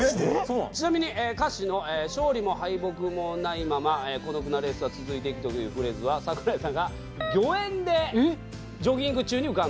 「ちなみに歌詞の“勝利も敗北もないまま孤独なレースは続いてく”というフレーズは桜井さんが御苑でジョギング中に浮かんだ」